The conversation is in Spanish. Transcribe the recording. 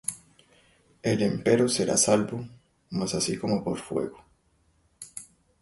él empero será salvo, mas así como por fuego.